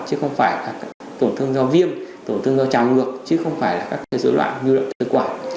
chứ không phải tổn thương do viêm tổn thương do trào ngược chứ không phải các dối loạn vưu động thực quản